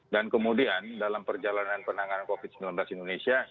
dan kemudian dalam perjalanan penanganan covid sembilan belas indonesia